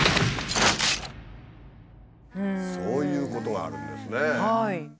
そういうことがあるんですね。